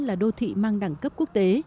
là đô thị mang đẳng cấp quốc tế